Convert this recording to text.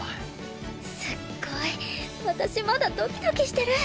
すっごい私まだドキドキしてる！